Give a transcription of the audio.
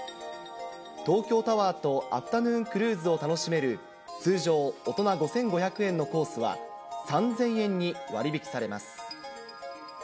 東京タワーとアフタヌーンクルーズを楽しめる通常大人５５００円のコースは、３０００円に割引されます。